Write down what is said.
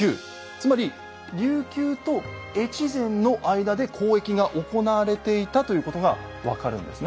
つまり琉球と越前の間で交易が行われていたということが分かるんですね。